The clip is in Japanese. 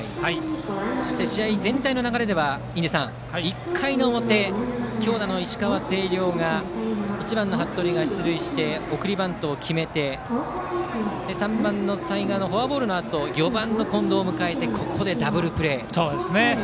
そして試合全体の流れでは１回の表強打の石川・星稜１番、服部が出塁して送りバントを決めて３番の齊賀のフォアボールのあと４番の近藤を迎えてここでダブルプレー。